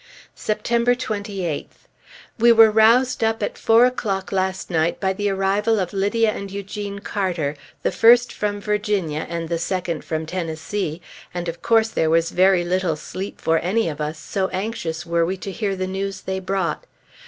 September 28th. We were roused up at four o'clock last night by the arrival of Lydia and Eugene Carter, the first from Virginia and the second from Tennessee; and, of course, there was very little sleep for any of us, so anxious were we to hear the news they brought.